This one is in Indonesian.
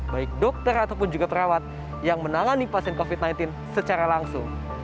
baik dokter ataupun juga perawat yang menangani pasien covid sembilan belas secara langsung